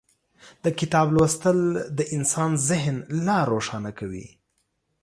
د کتاب لوستل د انسان ذهن لا روښانه کوي.